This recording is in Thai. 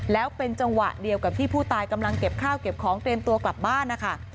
แล้วเป็นจังหวะเดียวกับที่ผู้ตายกำลังเก็บข้าวเก็บของเตรียมตัวกลับบ้านนะคะ